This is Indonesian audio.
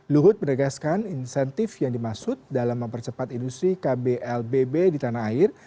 luhut menegaskan insentif yang dimaksud dalam mempercepat industri kblbb di tanah air